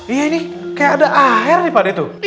iya ini kayak ada air nih padee tuh